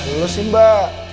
dulus sih mbak